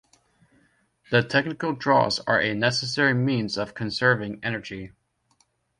The technical draws are a necessary means of conserving energy.